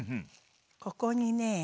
ここにね